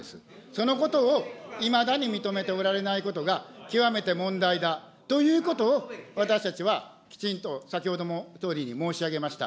そのことをいまだに認めておられないことが極めて問題だということを、私たちはきちんと先ほども総理に申し上げました。